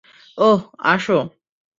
ওহ, আসো।